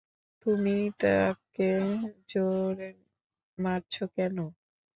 তুমি তাকে জোরে মারছো কেন?